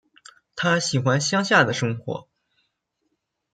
她喜欢乡下的生活